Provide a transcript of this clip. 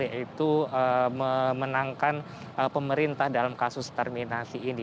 yaitu memenangkan pemerintah dalam kasus terminasi ini